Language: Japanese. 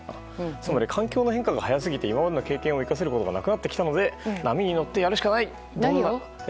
つまり環境の変化が速すぎて今までの経験を生かせることがなくなってきたので波に乗ってやるしかない。